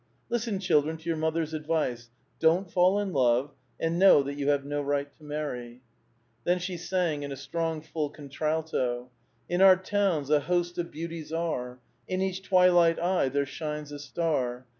Listen, children, to your mother's advice: Don't fall in love, and know that you have no right to maiTy." Then she sang in a strong, full contralto :—<' In our towns, a host of beauties are ; In each twilight eye there shines a star.